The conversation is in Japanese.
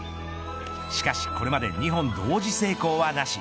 しかし、これまで２本同時成功はなし。